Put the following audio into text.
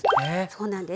そうなんです。